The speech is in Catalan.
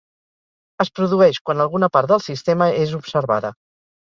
Es produeix quan alguna part del sistema és observada.